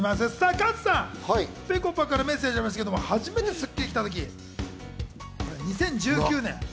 加藤さん、ぺこぱからメッセージがあったんですけど、初めて『スッキリ』に来たとき、２０１９年。